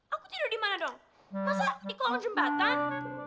aku tidur dimana dong masa di kolam jembatan